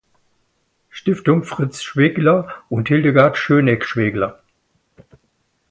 Stiftung Fritz Schwegler und Hildegard Schöneck-Schwegler".